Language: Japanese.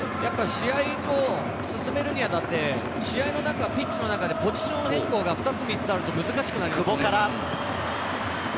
試合を進めるに当たって試合のピッチの中でポジション変更が２つ３つあると難しくなりますね。